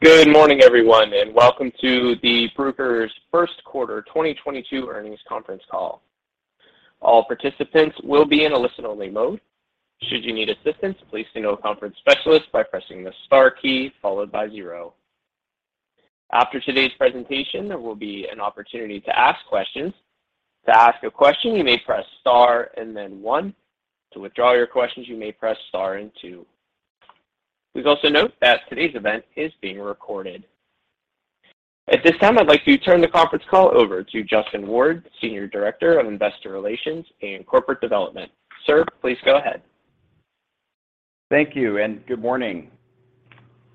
Good morning everyone, and welcome to Bruker’s first quarter 2022 earnings conference call. All participants will be in a listen-only mode. Should you need assistance, please signal a conference specialist by pressing the star key followed by zero. After today’s presentation, there will be an opportunity to ask questions. To ask a question, you may press star and then one. To withdraw your questions, you may press star and two. Please also note that today’s event is being recorded. At this time, I’d like to turn the conference call over to Justin Ward, Senior Director of Investor Relations and Corporate Development. Sir, please go ahead. Thank you, and good morning.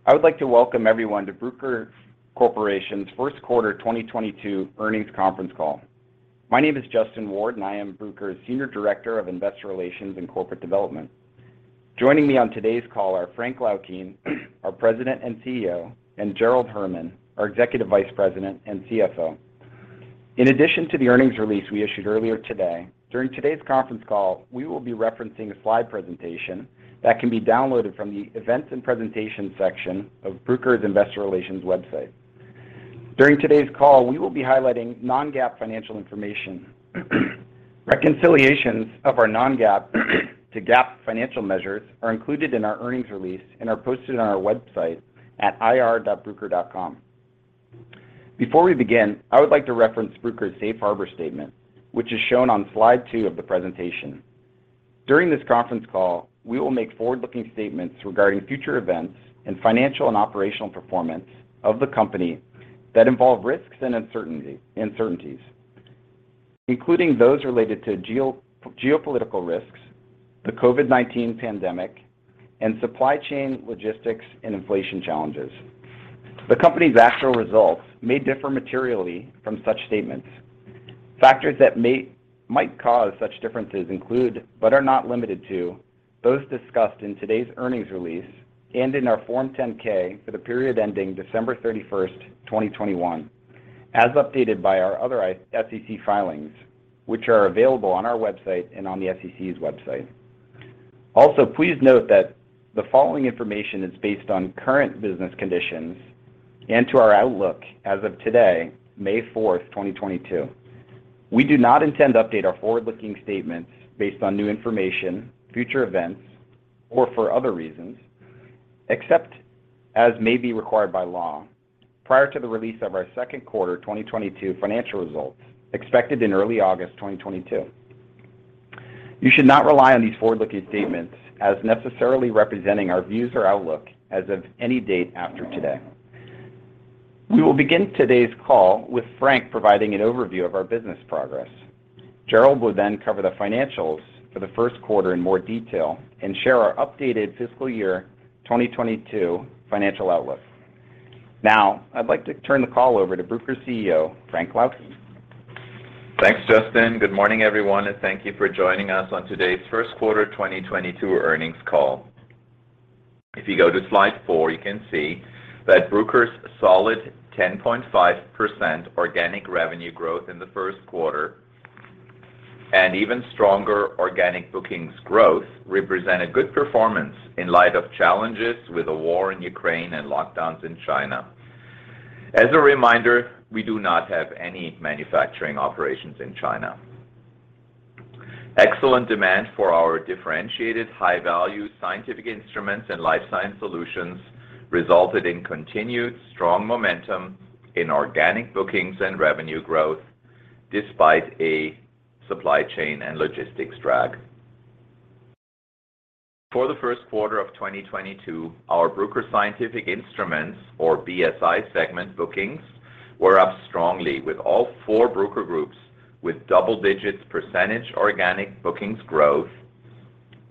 I would like to welcome everyone to Bruker Corporation's first quarter 2022 earnings conference call. My name is Justin Ward, and I am Bruker's Senior Director of Investor Relations and Corporate Development. Joining me on today's call are Frank Laukien, our President and CEO, and Gerald Herman, our Executive Vice President and CFO. In addition to the earnings release we issued earlier today, during today's conference call, we will be referencing a slide presentation that can be downloaded from the Events and Presentation section of Bruker's Investor Relations website. During today's call, we will be highlighting non-GAAP financial information. Reconciliations of our non-GAAP to GAAP financial measures are included in our earnings release and are posted on our website at ir.bruker.com. Before we begin, I would like to reference Bruker's Safe Harbor statement, which is shown on slide 2 of the presentation. During this conference call, we will make forward-looking statements regarding future events and financial and operational performance of the company that involve risks and uncertainties, including those related to geopolitical risks, the COVID-19 pandemic, and supply chain logistics and inflation challenges. The company's actual results may differ materially from such statements. Factors that might cause such differences include, but are not limited to, those discussed in today's earnings release and in our Form 10-K for the period ending December 31, 2021, as updated by our other SEC filings, which are available on our website and on the SEC's website. Also, please note that the following information is based on current business conditions and to our outlook as of today, May 4, 2022. We do not intend to update our forward-looking statements based on new information, future events, or for other reasons, except as may be required by law, prior to the release of our second quarter 2022 financial results expected in early August 2022. You should not rely on these forward-looking statements as necessarily representing our views or outlook as of any date after today. We will begin today's call with Frank providing an overview of our business progress. Gerald will then cover the financials for the first quarter in more detail and share our updated fiscal year 2022 financial outlook. Now, I'd like to turn the call over to Bruker's CEO, Frank Laukien. Thanks, Justin. Good morning, everyone, and thank you for joining us on today's first quarter 2022 earnings call. If you go to slide 4, you can see that Bruker's solid 10.5% organic revenue growth in the first quarter and even stronger organic bookings growth represent a good performance in light of challenges with the war in Ukraine and lockdowns in China. As a reminder, we do not have any manufacturing operations in China. Excellent demand for our differentiated high-value scientific instruments and life science solutions resulted in continued strong momentum in organic bookings and revenue growth despite a supply chain and logistics drag. For the first quarter of 2022, our Bruker Scientific Instruments or BSI segment bookings were up strongly with all four Bruker groups with double-digit percentage organic bookings growth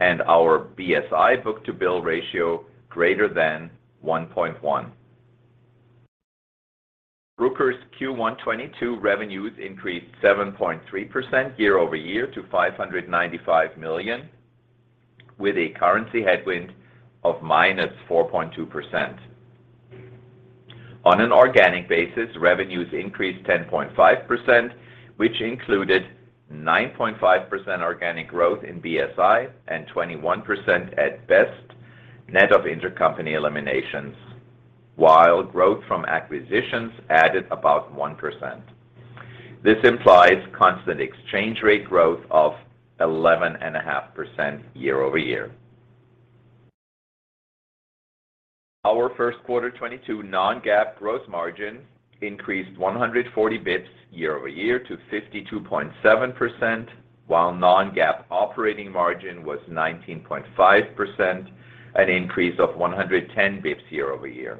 and our BSI book-to-bill ratio greater than 1.1. Bruker's Q1 2022 revenues increased 7.3% year-over-year to $595 million, with a currency headwind of -4.2%. On an organic basis, revenues increased 10.5%, which included 9.5% organic growth in BSI and 21% at BEST, net of intercompany eliminations. While growth from acquisitions added about 1%. This implies constant exchange rate growth of 11.5% year-over-year. Our first quarter 2022 non-GAAP gross margin increased 140 basis points year-over-year to 52.7%, while non-GAAP operating margin was 19.5%, an increase of 110 basis points year-over-year.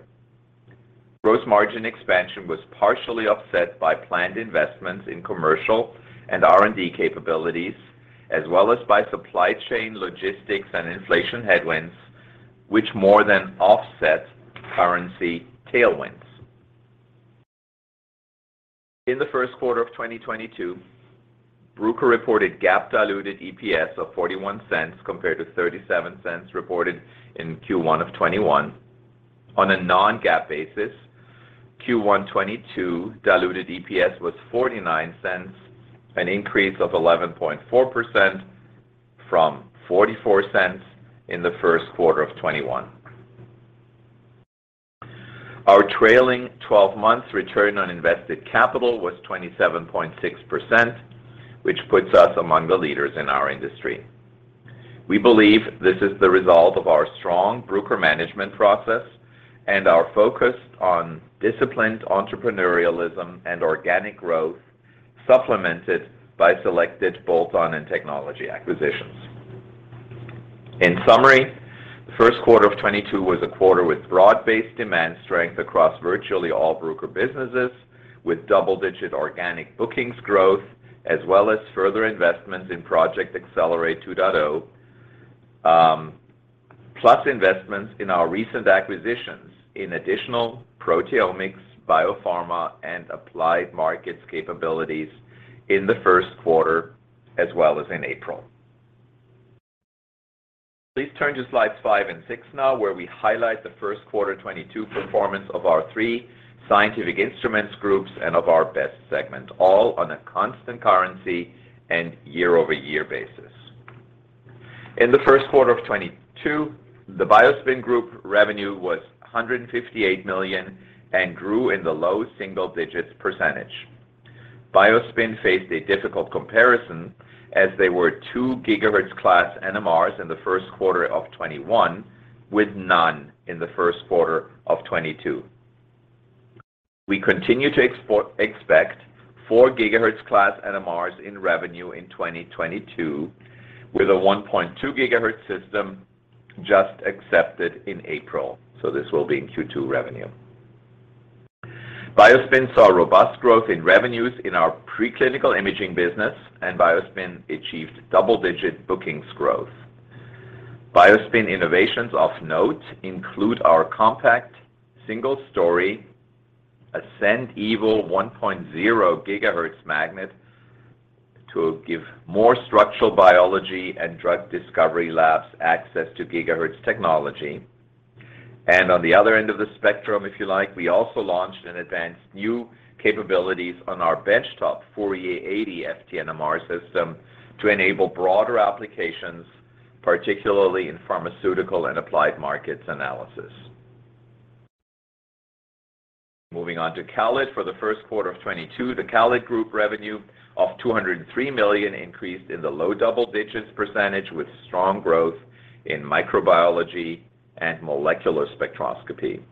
Gross margin expansion was partially offset by planned investments in commercial and R&D capabilities, as well as by supply chain logistics and inflation headwinds, which more than offset currency tailwinds. In the first quarter of 2022, Bruker reported GAAP diluted EPS of $0.41 compared to $0.37 reported in Q1 of 2021. On a non-GAAP basis, Q1 2022 diluted EPS was $0.49, an increase of 11.4% from $0.44 in the first quarter of 2021. Our trailing twelve months return on invested capital was 27.6%, which puts us among the leaders in our industry. We believe this is the result of our strong Bruker management process and our focus on disciplined entrepreneurialism and organic growth, supplemented by selected bolt-on and technology acquisitions. In summary, the first quarter of 2022 was a quarter with broad-based demand strength across virtually all Bruker businesses, with double-digit organic bookings growth, as well as further investments in Project Accelerate 2.0, plus investments in our recent acquisitions in additional proteomics, biopharma, and applied markets capabilities in the first quarter as well as in April. Please turn to slides 5 and 6 now, where we highlight the first quarter 2022 performance of our three scientific instruments groups and of our BEST segment, all on a constant currency and year-over-year basis. In the first quarter of 2022, the BioSpin Group revenue was $158 million and grew in the low single digits%. BioSpin faced a difficult comparison as there were 2 GHz-class NMRs in the first quarter of 2021, with none in the first quarter of 2022. We continue to expect 4 gigahertz class NMRs in revenue in 2022, with a 1.2 gigahertz system just accepted in April, so this will be in Q2 revenue. BioSpin saw robust growth in revenues in our preclinical imaging business, and BioSpin achieved double-digit bookings growth. BioSpin innovations of note include our compact single-story Ascend Evo 1.0 gigahertz magnet to give more structural biology and drug discovery labs access to gigahertz technology. On the other end of the spectrum, if you like, we also launched and advanced new capabilities on our benchtop Fourier 80 FTNMR system to enable broader applications, particularly in pharmaceutical and applied markets analysis. Moving on to CALID. For the first quarter of 2022, the CALID Group revenue of $203 million increased in the low double-digit % with strong growth in microbiology and molecular spectroscopy.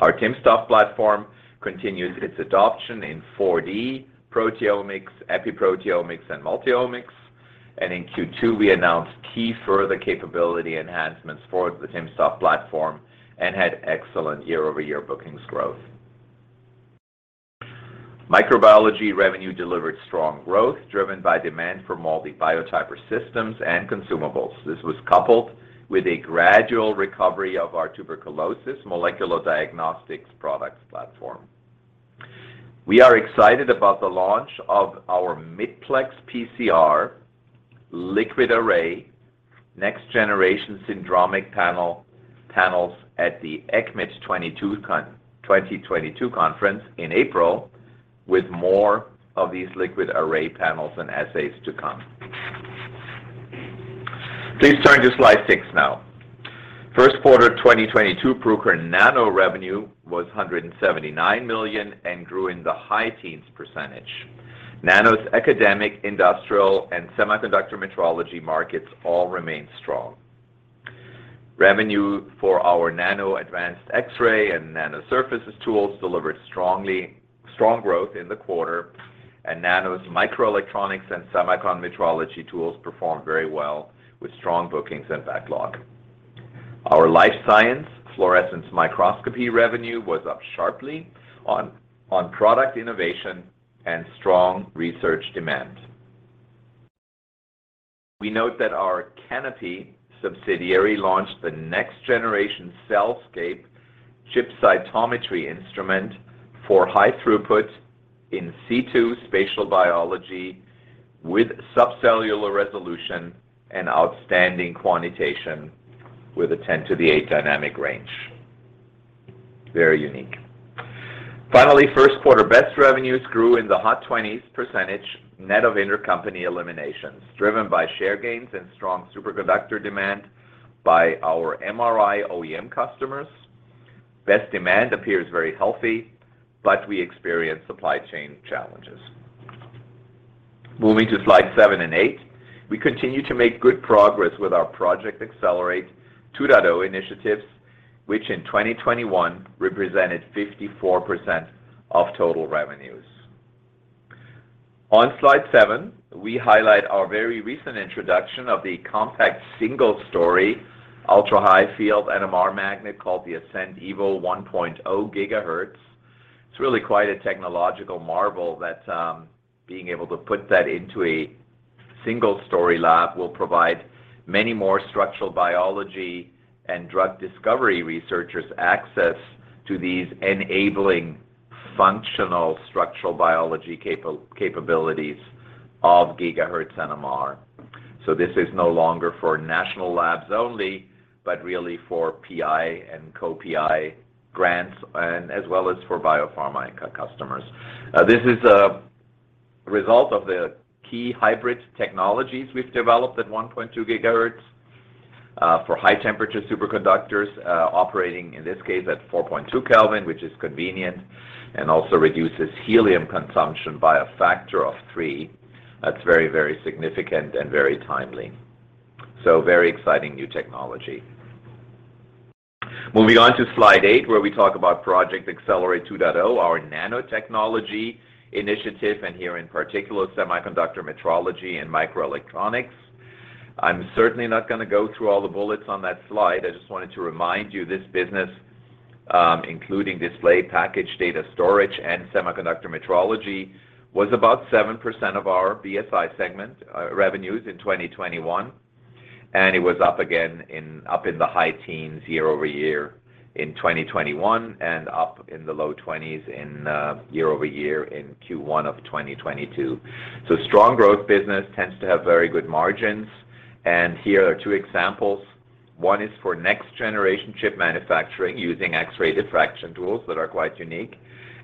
Our timsTOF platform continued its adoption in 4D-Proteomics, epiproteomics, and multi-omics. In Q2, we announced key further capability enhancements for the timsTOF platform and had excellent year-over-year bookings growth. Microbiology revenue delivered strong growth driven by demand for MALDI Biotyper systems and consumables. This was coupled with a gradual recovery of our tuberculosis molecular diagnostics products platform. We are excited about the launch of our MIDplex PCR liquid array next-generation syndromic panels at the ECCMID 2022 conference in April, with more of these liquid array panels and assays to come. Please turn to slide six now. First quarter 2022 Bruker Nano revenue was $179 million and grew in the high teens%. Nano's academic, industrial, and semiconductor metrology markets all remained strong. Revenue for our Nano advanced X-ray and Nano surfaces tools delivered strongly, strong growth in the quarter, and Nano's microelectronics and semicon metrology tools performed very well with strong bookings and backlog. Our life science fluorescence microscopy revenue was up sharply on product innovation and strong research demand. We note that our Canopy subsidiary launched the next-generation CellScape ChipCytometry instrument for high-throughput in situ spatial biology with subcellular resolution and outstanding quantitation with a 10^8 dynamic range. Very unique. Finally, first quarter BEST revenues grew in the high twenties% net of intercompany eliminations, driven by share gains and strong superconductor demand by our MRI OEM customers. BEST demand appears very healthy, but we experienced supply chain challenges. Moving to slide seven and eight, we continue to make good progress with our Project Accelerate 2.0 initiatives, which in 2021 represented 54% of total revenues. On slide seven, we highlight our very recent introduction of the compact single-story ultra-high field NMR magnet called the Ascend Evo 1.0 GHz. It's really quite a technological marvel that, being able to put that into a single-story lab will provide many more structural biology and drug discovery researchers access to these enabling functional structural biology capabilities of gigahertz NMR. This is no longer for national labs only. But really for PI and co-PI grants and as well as for biopharma customers. This is a result of the key hybrid technologies we've developed at 1.2 gigahertz for high temperature superconductors operating, in this case, at 4.2 Kelvin, which is convenient and also reduces helium consumption by a factor of three. That's very, very significant and very timely. Very exciting new technology. Moving on to slide 8, where we talk about Project Accelerate 2.0, our nanotechnology initiative, and here in particular, semiconductor metrology and microelectronics. I'm certainly not going to go through all the bullets on that slide. I just wanted to remind you this business, including display, package, data storage, and semiconductor metrology, was about 7% of our BSI segment revenues in 2021, and it was up in the high teens year-over-year in 2021 and up in the low twenties year-over-year in Q1 of 2022. Strong growth business tends to have very good margins, and here are two examples. One is for next-generation chip manufacturing using X-ray diffraction tools that are quite unique.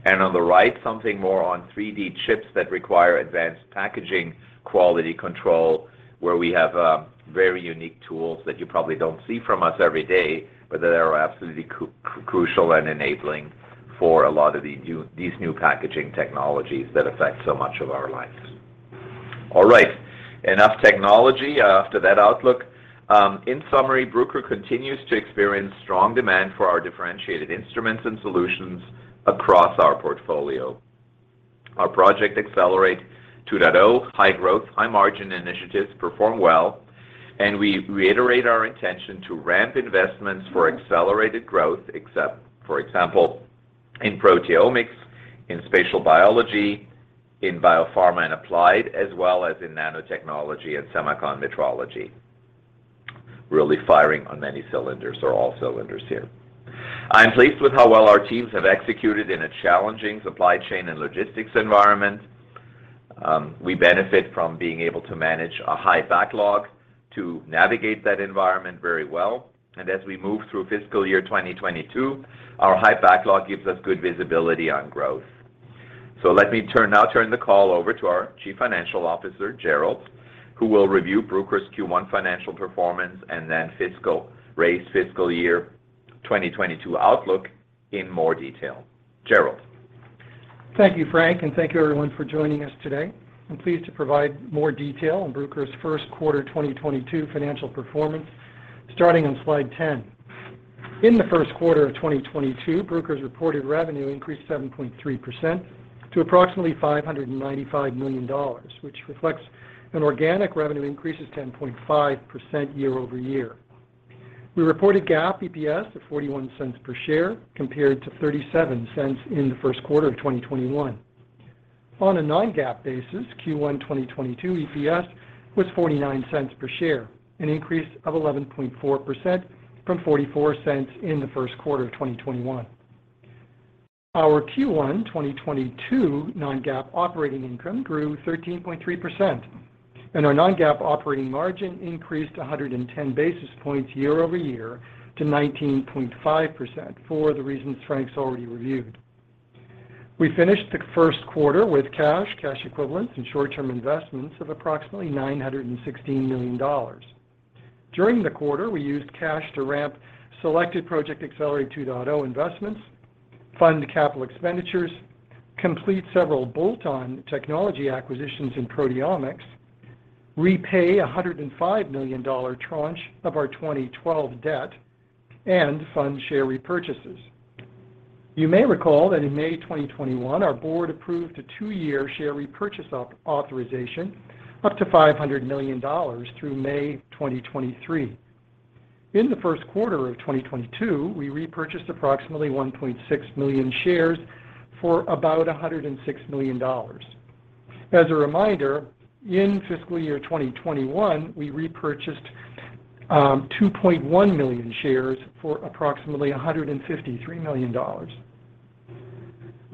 On the right, something more on 3D chips that require advanced packaging quality control, where we have very unique tools that you probably don't see from us every day, but that are absolutely crucial and enabling for a lot of these new packaging technologies that affect so much of our lives. All right, enough technology. After that outlook, in summary, Bruker continues to experience strong demand for our differentiated instruments and solutions across our portfolio. Our Project Accelerate 2.0 high-growth, high-margin initiatives perform well, and we reiterate our intention to ramp investments for accelerated growth, especially, for example, in proteomics, in spatial biology, in biopharma and applied, as well as in nanotechnology and semicon metrology. Really firing on many cylinders or all cylinders here. I'm pleased with how well our teams have executed in a challenging supply chain and logistics environment. We benefit from being able to manage a high backlog to navigate that environment very well. As we move through fiscal year 2022, our high backlog gives us good visibility on growth. Let me now turn the call over to our Chief Financial Officer, Gerald, who will review Bruker's Q1 financial performance and then raised fiscal year 2022 outlook in more detail. Gerald. Thank you, Frank, and thank you everyone for joining us today. I'm pleased to provide more detail on Bruker's first quarter 2022 financial performance, starting on slide 10. In the first quarter of 2022, Bruker's reported revenue increased 7.3% to approximately $595 million, which reflects an organic revenue increase of 10.5% year-over-year. We reported GAAP EPS of $0.41 per share, compared to $0.37 in the first quarter of 2021. On a non-GAAP basis, Q1 2022 EPS was $0.49 per share, an increase of 11.4% from $0.44 in the first quarter of 2021. Our Q1 2022 non-GAAP operating income grew 13.3%, and our non-GAAP operating margin increased 110 basis points year-over-year to 19.5% for the reasons Frank's already reviewed. We finished the first quarter with cash equivalents, and short-term investments of approximately $916 million. During the quarter, we used cash to ramp selected Project Accelerate 2.0 investments, fund capital expenditures, complete several bolt-on technology acquisitions in proteomics, repay $105 million tranche of our 2012 debt, and fund share repurchases. You may recall that in May 2021, our board approved a two-year share repurchase authorization up to $500 million through May 2023. In the first quarter of 2022, we repurchased approximately 1.6 million shares for about $106 million. As a reminder, in fiscal year 2021, we repurchased 2.1 million shares for approximately $153 million.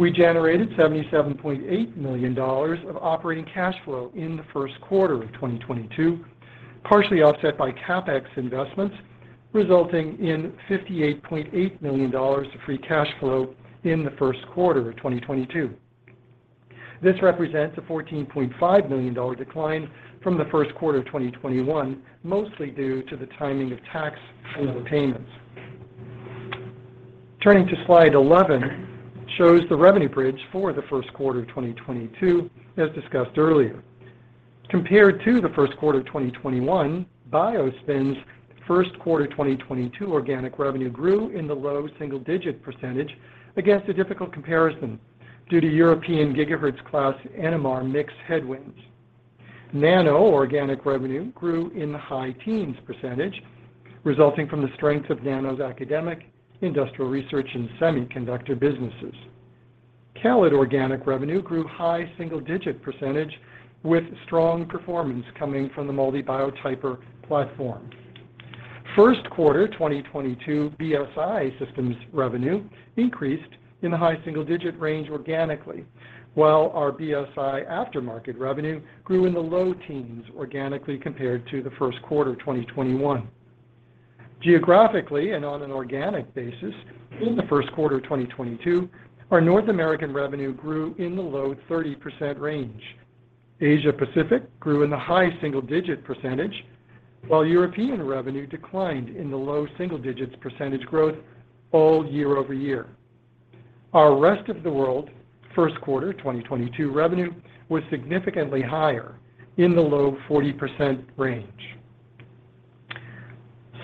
We generated $77.8 million of operating cash flow in the first quarter of 2022, partially offset by CapEx investments, resulting in $58.8 million of free cash flow in the first quarter of 2022. This represents a $14.5 million decline from the first quarter of 2021, mostly due to the timing of tax and other payments. Turning to slide 11, shows the revenue bridge for the first quarter of 2022, as discussed earlier. Compared to the first quarter of 2021, BioSpin's first quarter 2022 organic revenue grew in the low single-digit % against a difficult comparison due to European gigahertz class NMR mix headwinds. Nano organic revenue grew in the high teens %, resulting from the strength of Nano's academic, industrial research, and semiconductor businesses. CALID organic revenue grew high single-digit % with strong performance coming from the MALDI Biotyper platform. First quarter 2022 BSI Systems revenue increased in the high single-digit range organically, while our BSI aftermarket revenue grew in the low teens organically compared to the first quarter of 2021. Geographically and on an organic basis in the first quarter of 2022, our North American revenue grew in the low 30% range. Asia-Pacific grew in the high single-digit %, while European revenue declined in the low single digits % growth all year-over-year. Our rest of the world first quarter 2022 revenue was significantly higher in the low 40% range.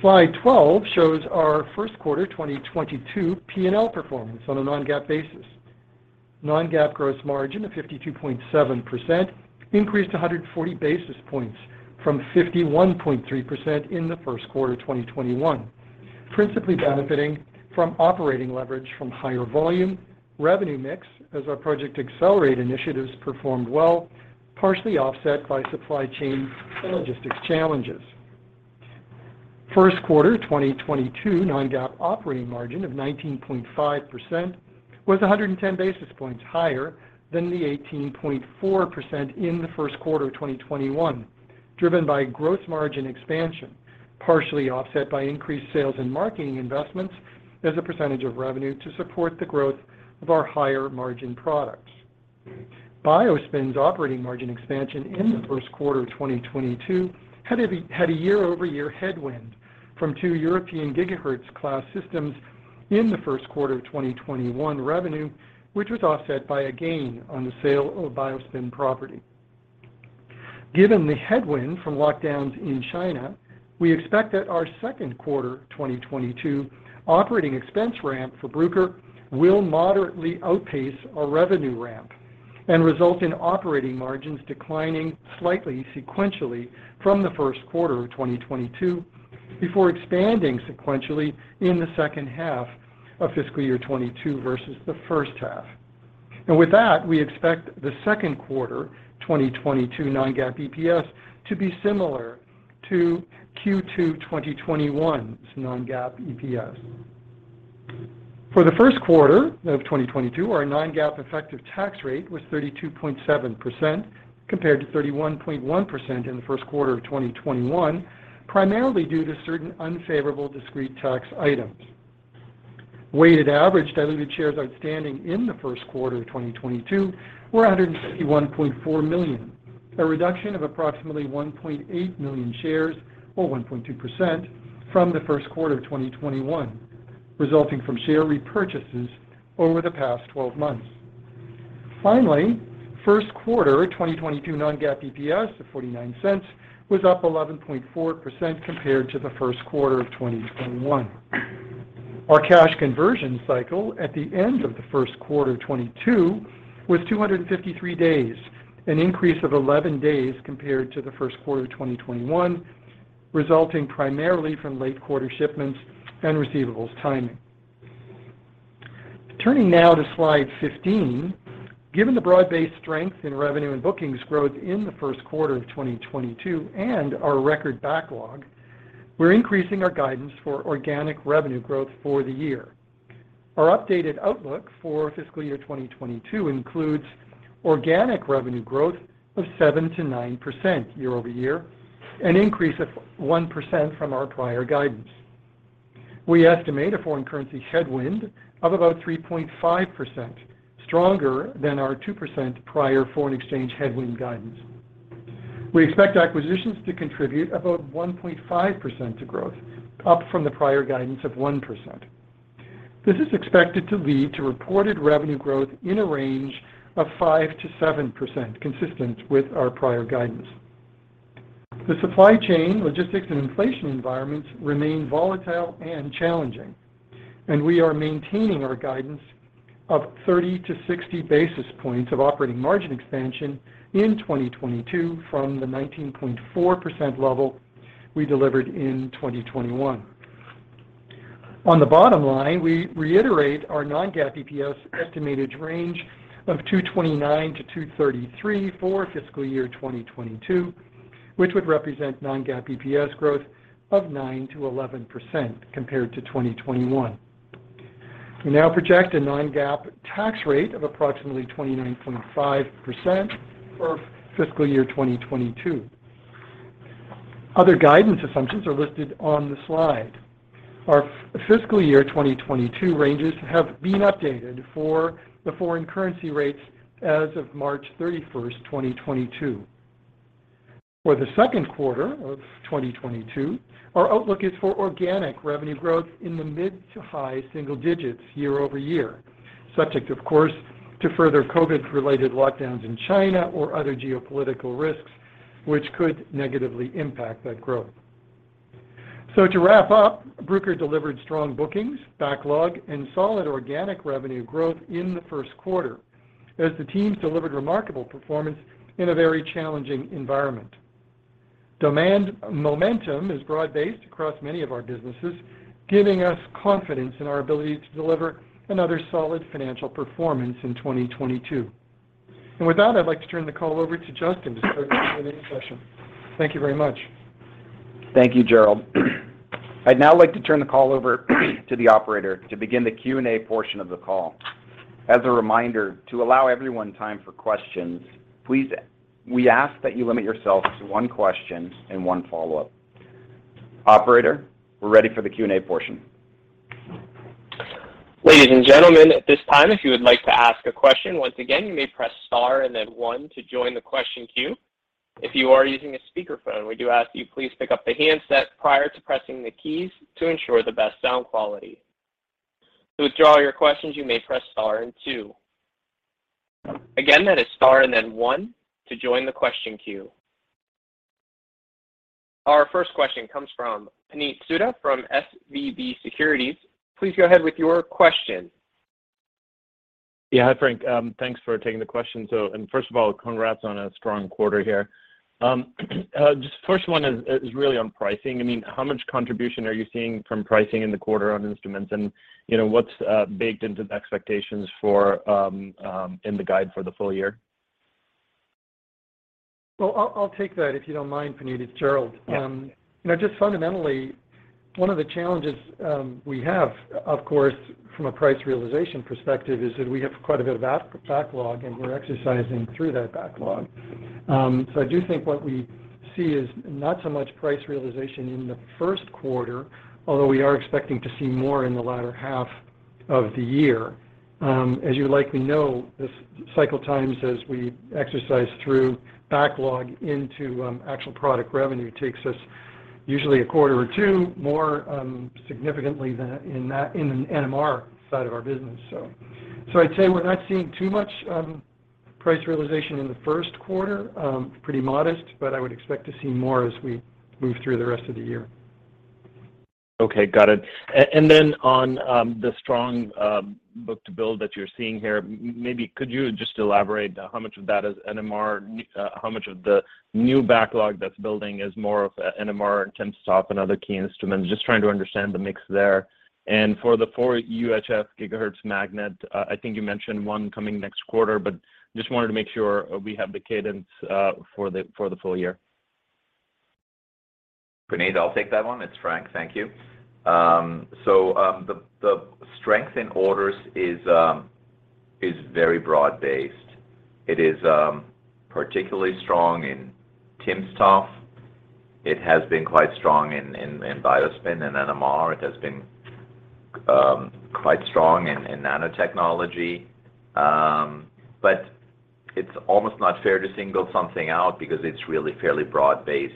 Slide 12 shows our first quarter 2022 P&L performance on a non-GAAP basis. Non-GAAP gross margin of 52.7% increased 140 basis points from 51.3% in the first quarter of 2021, principally benefiting from operating leverage from higher volume, revenue mix as our Project Accelerate initiatives performed well, partially offset by supply chain and logistics challenges. First quarter 2022 non-GAAP operating margin of 19.5% was 110 basis points higher than the 18.4% in the first quarter of 2021, driven by gross margin expansion, partially offset by increased sales and marketing investments as a percentage of revenue to support the growth of our higher margin products. BioSpin's operating margin expansion in the first quarter of 2022 had a year-over-year headwind from two European gigahertz class systems in the first quarter of 2021 revenue, which was offset by a gain on the sale of BioSpin property. Given the headwind from lockdowns in China, we expect that our second quarter 2022 operating expense ramp for Bruker will moderately outpace our revenue ramp and result in operating margins declining slightly sequentially from the first quarter of 2022 before expanding sequentially in the second half of fiscal year 2022 versus the first half. With that, we expect the second quarter 2022 non-GAAP EPS to be similar to Q2 2021's non-GAAP EPS. For the first quarter of 2022, our non-GAAP effective tax rate was 32.7% compared to 31.1% in the first quarter of 2021, primarily due to certain unfavorable discrete tax items. Weighted average diluted shares outstanding in the first quarter of 2022 were 161.4 million, a reduction of approximately 1.8 million shares or 1.2% from the first quarter of 2021, resulting from share repurchases over the past twelve months. Finally, first quarter 2022 non-GAAP EPS of $0.49 was up 11.4% compared to the first quarter of 2021. Our cash conversion cycle at the end of the first quarter of 2022 was 253 days, an increase of 11 days compared to the first quarter of 2021, resulting primarily from late quarter shipments and receivables timing. Turning now to slide 15, given the broad-based strength in revenue and bookings growth in the first quarter of 2022 and our record backlog, we're increasing our guidance for organic revenue growth for the year. Our updated outlook for fiscal year 2022 includes organic revenue growth of 7%-9% year-over-year, an increase of 1% from our prior guidance. We estimate a foreign currency headwind of about 3.5%, stronger than our 2% prior foreign exchange headwind guidance. We expect acquisitions to contribute about 1.5% to growth, up from the prior guidance of 1%. This is expected to lead to reported revenue growth in a range of 5%-7%, consistent with our prior guidance. The supply chain logistics and inflation environments remain volatile and challenging, and we are maintaining our guidance of 30-60 basis points of operating margin expansion in 2022 from the 19.4% level we delivered in 2021. On the bottom line, we reiterate our non-GAAP EPS estimated range of $2.29-$2.33 for fiscal year 2022, which would represent non-GAAP EPS growth of 9%-11% compared to 2021. We now project a non-GAAP tax rate of approximately 29.5% for fiscal year 2022. Other guidance assumptions are listed on the slide. Our fiscal year 2022 ranges have been updated for the foreign currency rates as of March 31, 2022. For the second quarter of 2022, our outlook is for organic revenue growth in the mid- to high-single-digits year-over-year, subject of course to further COVID-related lockdowns in China or other geopolitical risks which could negatively impact that growth. To wrap up, Bruker delivered strong bookings, backlog, and solid organic revenue growth in the first quarter as the teams delivered remarkable performance in a very challenging environment. Demand momentum is broad-based across many of our businesses, giving us confidence in our ability to deliver another solid financial performance in 2022. With that, I'd like to turn the call over to Justin to start the Q&A session. Thank you very much. Thank you, Gerald. I'd now like to turn the call over to the operator to begin the Q&A portion of the call. As a reminder, to allow everyone time for questions, please, we ask that you limit yourself to one question and one follow-up. Operator, we're ready for the Q&A portion. Ladies and gentlemen, at this time, if you would like to ask a question, once again, you may press star and then one to join the question queue. If you are using a speaker phone, we do ask you please pick up the handset prior to pressing the keys to ensure the best sound quality. To withdraw your questions, you may press star and two. Again, that is star and then one to join the question queue. Our first question comes from Puneet Souda from SVB Securities. Please go ahead with your question. Yeah, hi, Frank. Thanks for taking the question. First of all, congrats on a strong quarter here. Just first one is really on pricing. I mean, how much contribution are you seeing from pricing in the quarter on instruments? You know, what's baked into the expectations for the guide for the full year? Well, I'll take that, if you don't mind, Puneet. It's Gerald. Yeah. You know, just fundamentally, one of the challenges we have, of course, from a price realization perspective is that we have quite a bit of backlog, and we're working through that backlog. So I do think what we see is not so much price realization in the first quarter, although we are expecting to see more in the latter half of the year. As you likely know, the cycle times as we work through backlog into actual product revenue takes us usually a quarter or two more significantly than in the NMR side of our business. So I'd say we're not seeing too much price realization in the first quarter, pretty modest, but I would expect to see more as we move through the rest of the year. Okay. Got it. On the strong book-to-bill that you're seeing here, maybe could you just elaborate how much of that is NMR, how much of the new backlog that's building is more of NMR and timsTOF and other key instruments? Just trying to understand the mix there. For the 4 UHF gigahertz magnet, I think you mentioned 1 coming next quarter, but just wanted to make sure we have the cadence for the full year. Puneet, I'll take that one. It's Frank. Thank you. So, the strength in orders is very broad-based. It is particularly strong in timsTOF. It has been quite strong in BioSpin and NMR. It has been quite strong in nanotechnology. But it's almost not fair to single something out because it's really fairly broad-based.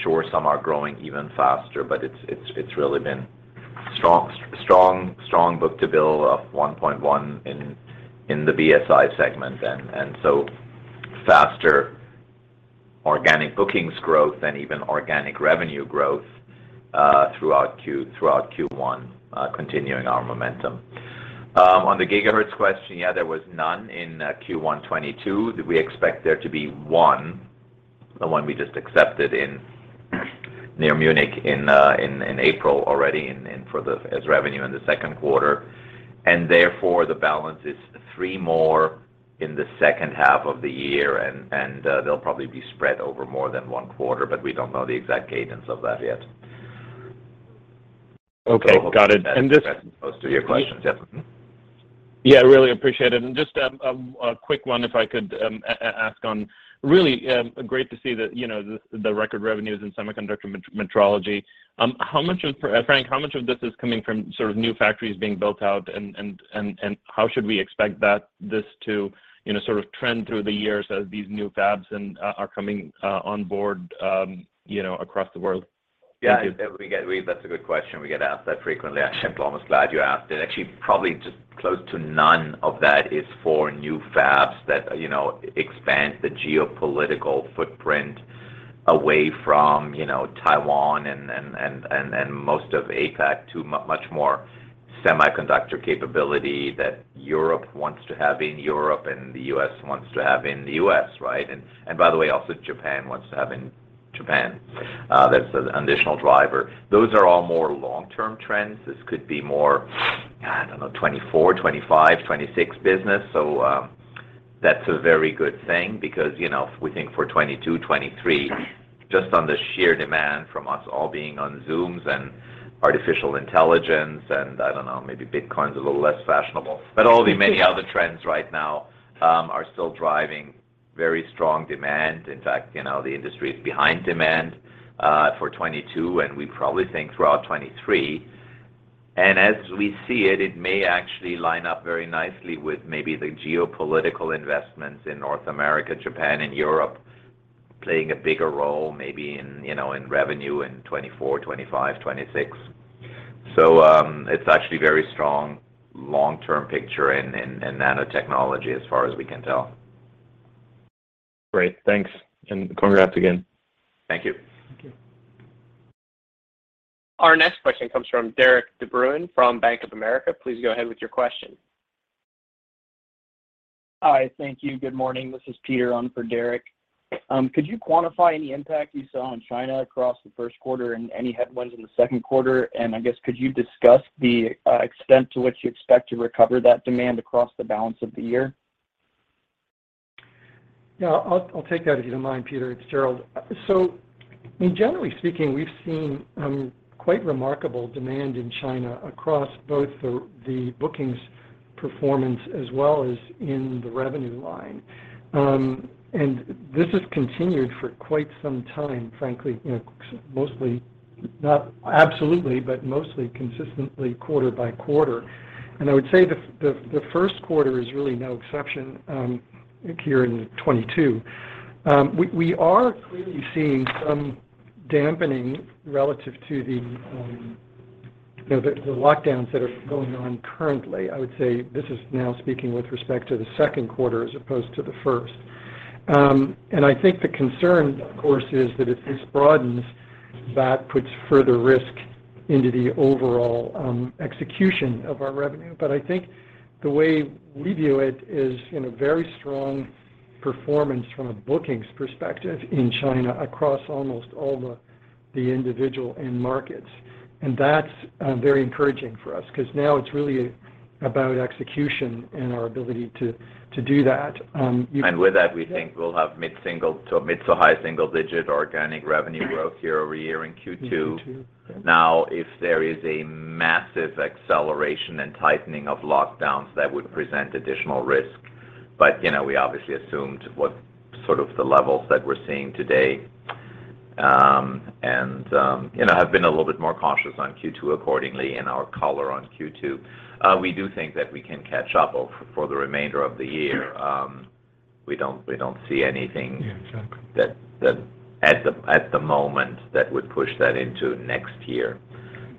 Sure, some are growing even faster, but it's really been strong book-to-bill of 1.1 in the BSI segment, and so faster organic bookings growth and even organic revenue growth throughout Q1, continuing our momentum. On the gigahertz question, yeah, there was none in Q1 2022. We expect there to be one, the one we just accepted in near Munich in April already and as revenue in the second quarter. Therefore, the balance is three more in the second half of the year, and they'll probably be spread over more than one quarter, but we don't know the exact cadence of that yet. Okay. Got it. I hope that answers most of your questions. Yeah, I really appreciate it. Just a quick one, if I could, ask on. Really great to see the you know the record revenues in semiconductor metrology. Frank, how much of this is coming from sort of new factories being built out and how should we expect that this to you know sort of trend through the years as these new fabs and are coming on board you know across the world? Thank you. Yeah. That's a good question. We get asked that frequently. I'm almost glad you asked. Actually, probably just close to none of that is for new fabs that, you know, expand the geopolitical footprint away from, you know, Taiwan and most of APAC to much more semiconductor capability that Europe wants to have in Europe and the U.S. wants to have in the U.S., right? By the way, also Japan wants to have in Japan. That's an additional driver. Those are all more long-term trends. This could be more, I don't know, 2024, 2025, 2026 business. That's a very good thing because, you know, we think for 2022, 2023, just on the sheer demand from us all being on Zooms and artificial intelligence, and I don't know, maybe Bitcoin is a little less fashionable. All the many other trends right now are still driving very strong demand. In fact, you know, the industry is behind demand for 2022, and we probably think throughout 2023. As we see it may actually line up very nicely with maybe the geopolitical investments in North America, Japan, and Europe playing a bigger role, maybe in, you know, in revenue in 2024, 2025, 2026. It's actually very strong long-term picture in nanotechnology as far as we can tell. Great. Thanks. Congrats again. Thank you. Thank you. Our next question comes from Derik De Bruin from Bank of America. Please go ahead with your question. Hi. Thank you. Good morning. This is Peter on for Derik De Bruin. Could you quantify any impact you saw in China across the first quarter and any headwinds in the second quarter? I guess, could you discuss the extent to which you expect to recover that demand across the balance of the year? I'll take that if you don't mind, Peter. It's Gerald. I mean, generally speaking, we've seen quite remarkable demand in China across both the bookings performance as well as in the revenue line. This has continued for quite some time, frankly. You know, mostly, not absolutely, but mostly consistently quarter by quarter. I would say the first quarter is really no exception here in 2022. We are clearly seeing some dampening relative to the, you know, the lockdowns that are going on currently. I would say this is now speaking with respect to the second quarter as opposed to the first. I think the concern of course is that if this broadens, that puts further risk into the overall execution of our revenue. I think the way we view it is in a very strong performance from a bookings perspective in China across almost all the individual end markets, and that's very encouraging for us because now it's really about execution and our ability to do that. With that we think we'll have mid-single to mid-to-high single digit organic revenue growth year-over-year in Q2. Q2. Yeah. Now if there is a massive acceleration and tightening of lockdowns, that would present additional risk. You know, we obviously assumed what sort of the levels that we're seeing today, and, you know, have been a little bit more cautious on Q2 accordingly in our color on Q2. We do think that we can catch up for the remainder of the year. We don't see anything. Yeah. Exactly. That at the moment that would push that into next year.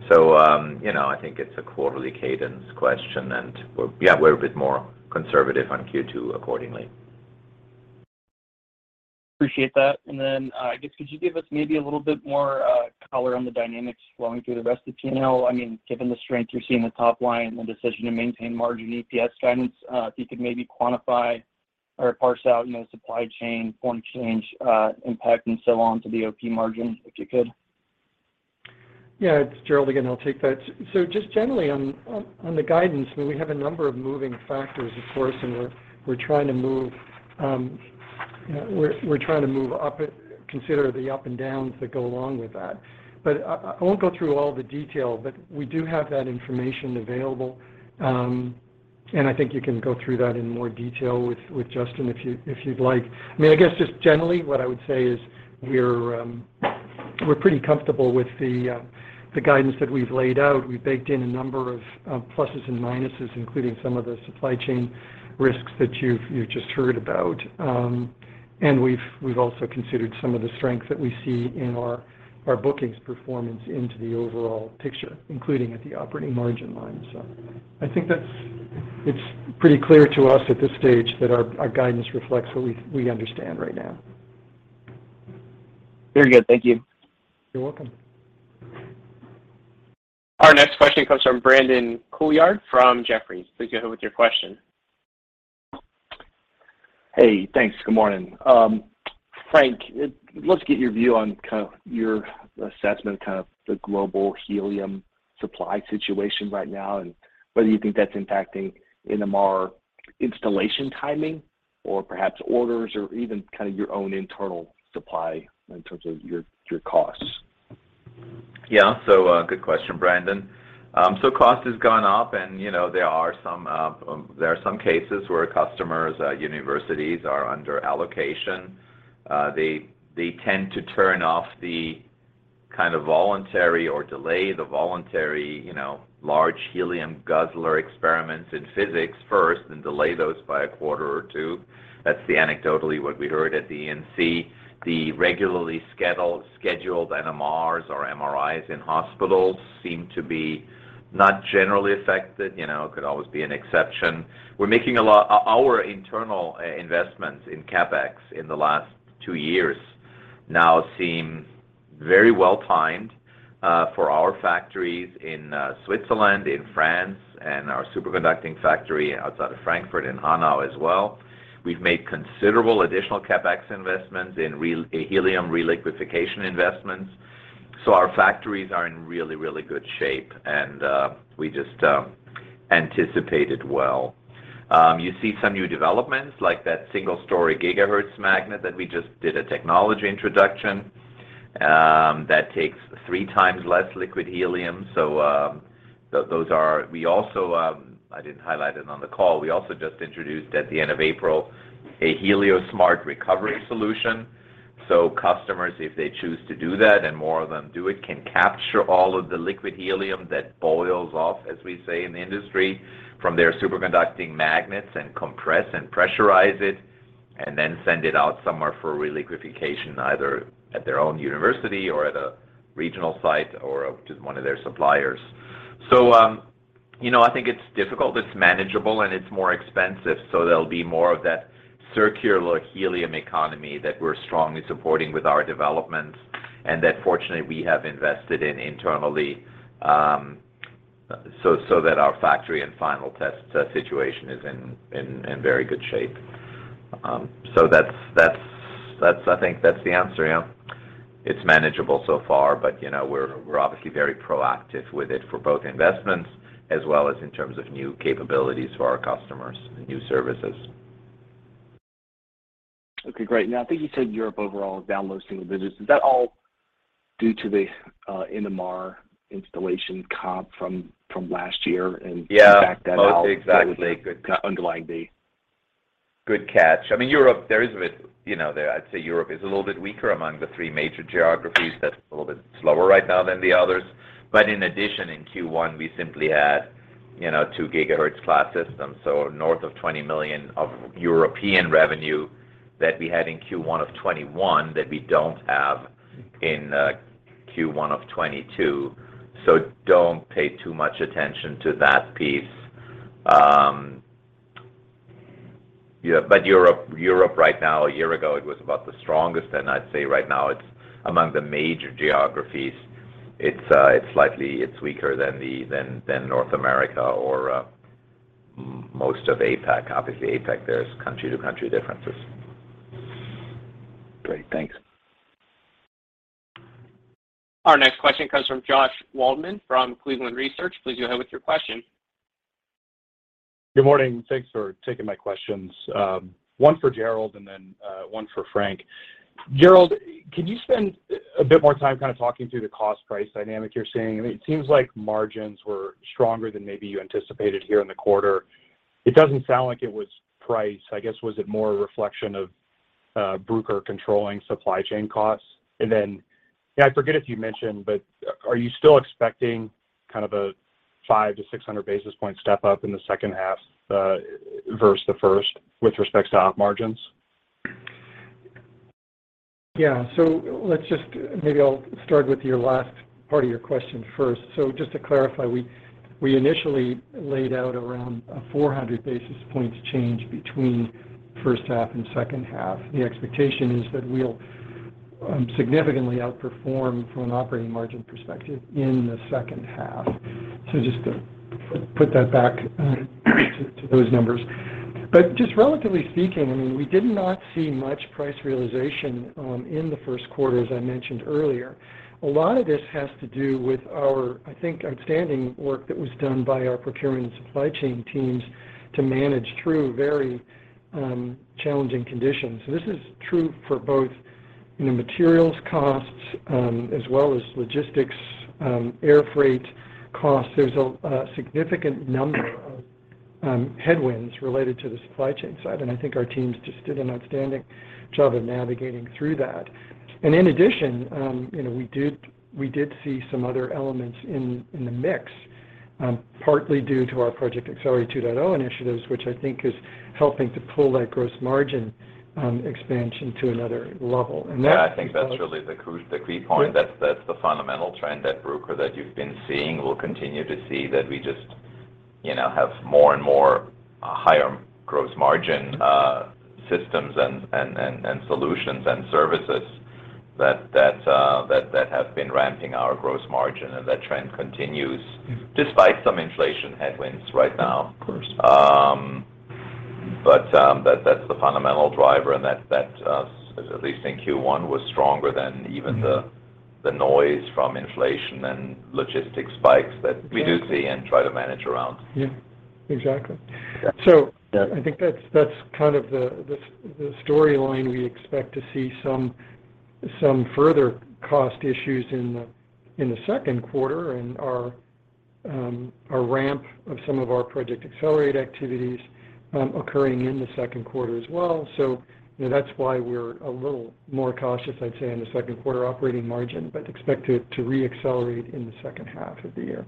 You know, I think it's a quarterly cadence question and we're a bit more conservative on Q2 accordingly. Appreciate that. I guess could you give us maybe a little bit more color on the dynamics flowing through the rest of P&L? I mean, given the strength you're seeing in the top line and the decision to maintain margin EPS guidance, if you could maybe quantify or parse out, you know, supply chain, foreign exchange, impact and so on to the OP margin if you could. Yeah, it's Gerald again. I'll take that. So just generally on the guidance, I mean we have a number of moving factors of course, and we're trying to move, you know, we're trying to move up and consider the ups and downs that go along with that. I won't go through all the detail, but we do have that information available, and I think you can go through that in more detail with Justin if you'd like. I mean, I guess just generally what I would say is we're pretty comfortable with the guidance that we've laid out. We baked in a number of pluses and minuses, including some of the supply chain risks that you've just heard about. We've also considered some of the strength that we see in our bookings performance into the overall picture, including at the operating margin line. I think it's pretty clear to us at this stage that our guidance reflects what we understand right now. Very good. Thank you. You're welcome. Our next question comes from Brandon Couillard from Jefferies. Please go ahead with your question. Hey, thanks. Good morning. Frank, love to get your view on kind of your assessment of kind of the global helium supply situation right now, and whether you think that's impacting NMR installation timing or perhaps orders or even kind of your own internal supply in terms of your costs. Yeah. Good question, Brandon. Cost has gone up and you know, there are some cases where customers at universities are under allocation. They tend to turn off the kind of voluntary or delay the voluntary, you know, large helium guzzler experiments in physics first and delay those by a quarter or two. That's anecdotal, what we heard at the ENC. The regularly scheduled NMRs or MRIs in hospitals seem to be not generally affected. You know, could always be an exception. Our internal investments in CapEx in the last two years now seem very well timed for our factories in Switzerland, in France, and our superconducting factory outside of Frankfurt in Hanau as well. We've made considerable additional CapEx investments in helium reliquefaction investments. Our factories are in really, really good shape and we just anticipated well. You see some new developments like that single story gigahertz magnet that we just did a technology introduction that takes 3 times less liquid helium. Those are. We also, I didn't highlight it on the call, we also just introduced at the end of April a HelioSmart Recovery solution. Customers if they choose to do that, and more of them do it, can capture all of the liquid helium that boils off, as we say in the industry, from their superconducting magnets and compress and pressurize it, and then send it out somewhere for reliquefication, either at their own university or at a regional site or to one of their suppliers. You know, I think it's difficult, it's manageable, and it's more expensive, so there'll be more of that circular helium economy that we're strongly supporting with our developments and that fortunately we have invested in internally, so that our factory and final test situation is in very good shape. I think that's the answer. Yeah. It's manageable so far, but, you know, we're obviously very proactive with it for both investments as well as in terms of new capabilities for our customers and new services. Okay, great. Now, I think you said Europe overall is down low single digits. Is that all due to the NMR installation comp from last year and- Yeah. -fact that out- Oh, exactly. underlying the Good catch. I mean, Europe, there is a bit, you know, there. I'd say Europe is a little bit weaker among the 3 major geographies. That's a little bit slower right now than the others. In addition, in Q1, we simply had, you know, 2 gigahertz class systems, so north of $20 million of European revenue that we had in Q1 of 2021 that we don't have in Q1 of 2022. Don't pay too much attention to that piece. Yeah, Europe right now, a year ago, it was about the strongest, and I'd say right now it's among the major geographies. It's weaker than North America or most of APAC. Obviously, APAC, there's country to country differences. Great. Thanks. Our next question comes from Josh Waldman from Cleveland Research. Please go ahead with your question. Good morning. Thanks for taking my questions. One for Gerald and then one for Frank. Gerald, could you spend a bit more time kind of talking through the cost-price dynamic you're seeing? I mean, it seems like margins were stronger than maybe you anticipated here in the quarter. It doesn't sound like it was price. I guess, was it more a reflection of Bruker controlling supply chain costs? And then, yeah, I forget if you mentioned, but are you still expecting kind of a 500-600 basis point step-up in the second half versus the first with respect to op margins? Yeah. Let's just maybe I'll start with your last part of your question first. Just to clarify, we initially laid out around a 400 basis points change between first half and second half. The expectation is that we'll significantly outperform from an operating margin perspective in the second half. Just to put that back to those numbers. Just relatively speaking, I mean, we did not see much price realization in the first quarter, as I mentioned earlier. A lot of this has to do with our, I think, outstanding work that was done by our procurement and supply chain teams to manage through very challenging conditions. This is true for both, you know, materials costs, as well as logistics, air freight costs. There's a significant number of headwinds related to the supply chain side, and I think our teams just did an outstanding job of navigating through that. In addition, you know, we did see some other elements in the mix, partly due to our Project Accelerate 2.0 initiatives, which I think is helping to pull that gross margin expansion to another level. Yeah, I think that's really the key point. That's the fundamental trend at Bruker that you've been seeing. We'll continue to see that. We just, you know, have more and more higher gross margin systems and solutions and services that have been ramping our gross margin, and that trend continues despite some inflation headwinds right now. Of course. That's the fundamental driver and that at least in Q1 was stronger than even the noise from inflation and logistics spikes that we do see and try to manage around. Yeah. Exactly. Yeah. So- Yeah. I think that's kind of the storyline. We expect to see some further cost issues in the second quarter and our ramp of some of our Project Accelerate activities occurring in the second quarter as well. You know, that's why we're a little more cautious, I'd say, on the second quarter operating margin, but expect it to re-accelerate in the second half of the year.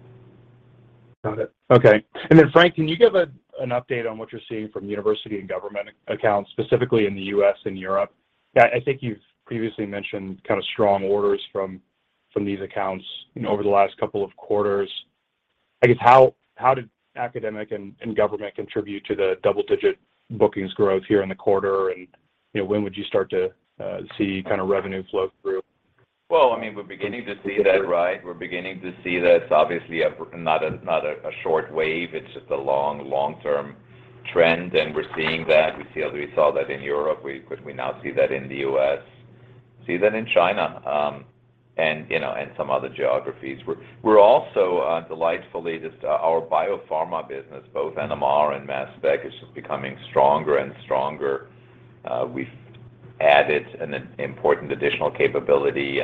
Got it. Okay. Then Frank, can you give an update on what you're seeing from university and government accounts, specifically in the U.S. and Europe? Yeah, I think you've previously mentioned kind of strong orders from these accounts, you know, over the last couple of quarters. I guess, how did academic and government contribute to the double-digit bookings growth here in the quarter? You know, when would you start to see kind of revenue flow through? Well, I mean, we're beginning to see that, right? It's obviously not a short wave. It's just a long-term trend, and we're seeing that. We see how we saw that in Europe. We now see that in the US. See that in China, and you know, and some other geographies. We're also delightfully just our biopharma business, both NMR and Mass Spec is just becoming stronger and stronger. We've added an important additional capability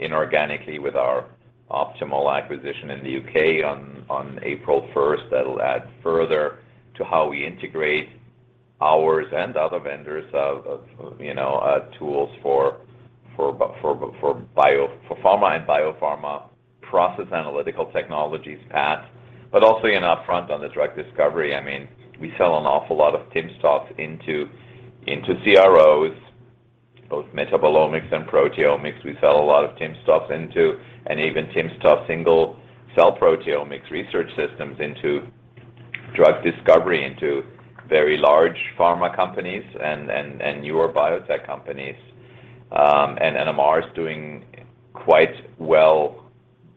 inorganically with our Optimal acquisition in the UK on April first. That'll add further to how we integrate ours and other vendors of, you know, tools for biopharma process analytical technologies, PAT, but also, you know, upfront on the drug discovery. I mean, we sell an awful lot of timsTOF into CROs, both metabolomics and proteomics. We sell a lot of timsTOF into even timsTOF single cell proteomics research systems into drug discovery, into very large pharma companies and newer biotech companies. NMR is doing quite well.